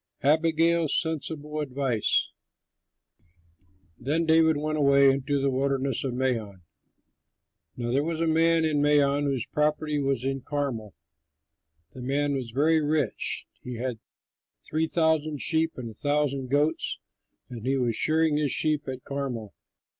ABIGAIL'S SENSIBLE ADVICE Then David went away into the Wilderness of Maon. Now there was a man in Maon, whose property was in Carmel. The man was very rich; he had three thousand sheep and a thousand goats, and he was shearing his sheep at Carmel.